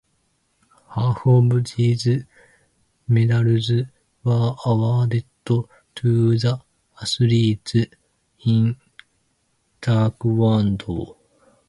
Half of these medals were awarded to the athletes in taekwondo.